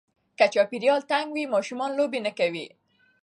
که چاپېریال تنګ وي، ماشومان لوبې نه کوي.